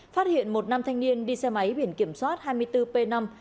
phát hiện một nam thanh niên đi xe máy biển kiểm soát hai mươi bốn p năm hai mươi tám năm mươi chín